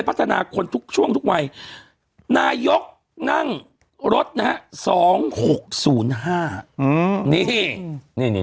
พัฒนาคนทุกช่วงทุกวัยนายกนั่งรถนะฮะ๒๖๐๕นี่